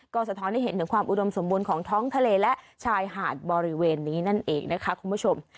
ก็สะท้อนให้เห็นถึงความอุดมสมบูรณ์ของท้องทะเลและชายหาดบริเวณนี้นั่นเองนะคะคุณผู้ชม